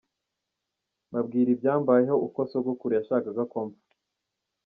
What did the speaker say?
Mbabwira ibyambayeho, uko sogokuru yashakaga ko mpfa.